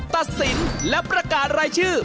ตัดสินและประกาศรายชื่อ